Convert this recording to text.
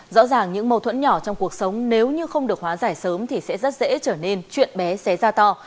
rõ ràng những mâu thuẫn nhỏ trong cuộc sống nếu như không được hóa giải sớm thì sẽ rất dễ trở nên chuyện bé xé ra to